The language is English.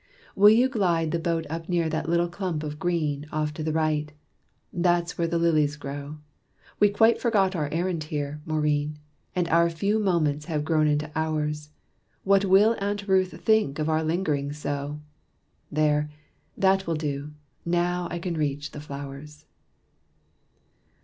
"Will you guide The boat up near that little clump of green Off to the right? There's where the lilies grow. We quite forgot our errand here, Maurine, And our few moments have grown into hours. What will Aunt Ruth think of our ling'ring so? There that will do now I can reach the flowers."